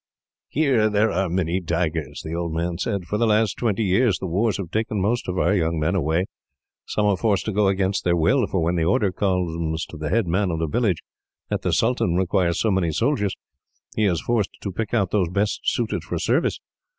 "Here there are many tigers," the old man said. "For the last twenty years, the wars have taken most of our young men away. Some are forced to go against their will; for when the order comes, to the head man of the village, that the sultan requires so many soldiers, he is forced to pick out those best fitted for service.